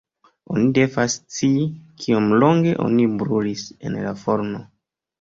Oni devas scii, kiom longe oni brulis en la forno“.